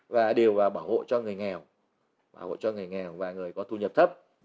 và đều bảo hộ cho người nghèo bảo hộ cho người nghèo và người có thu nhập thấp